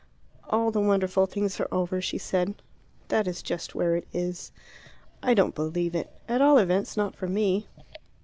"All the wonderful things are over," she said. "That is just where it is." "I don't believe it. At all events not for me.